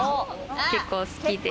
結構、好きで。